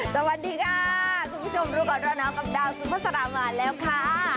สวัสดีค่ะคุณผู้ชมรู้ก่อนร้อนหนาวกับดาวสุภาษามาแล้วค่ะ